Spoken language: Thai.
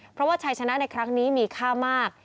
เพราะว่าชัยชนะในครั้งนี้มีค่ามาก